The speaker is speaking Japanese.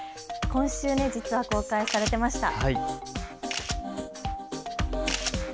今週、実は公開されていました。